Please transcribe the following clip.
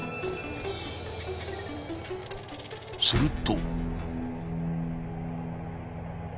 すると。